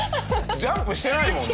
ジャンプしてないもんね。